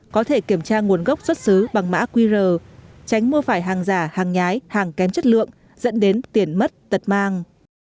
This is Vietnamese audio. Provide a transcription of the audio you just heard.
có thể kiểm tra nguồn gốc xuất xứ bằng mã qr tránh mua phải hàng giả hàng nhái hàng kém chất lượng dẫn đến tiền mất tật mang